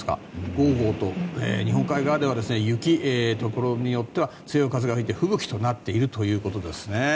ゴーゴーと日本海側では雪ところによっては強い風が吹いて吹雪となっているということですね。